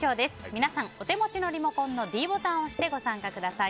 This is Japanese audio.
皆さん、お手持ちのリモコンのｄボタンを押して投票にご参加ください。